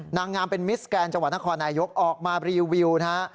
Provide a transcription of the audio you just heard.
นางงามเป็นมิสแกนจังหวัดนครนายกออกมารีวิวนะฮะ